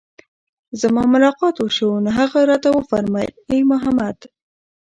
زما ملاقات وشو، نو هغه راته وفرمايل: اې محمد!